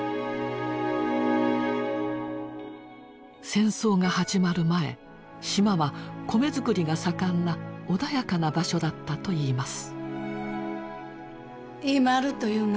戦争が始まる前島は米作りが盛んな穏やかな場所だったといいます。